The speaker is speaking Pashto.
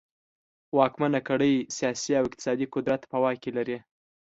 واکمنه کړۍ سیاسي او اقتصادي قدرت په واک کې لري.